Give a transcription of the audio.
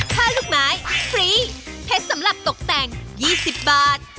ผ้าลูกไม้ฟรีเพชรสำหรับตกแต่ง๒๐บาท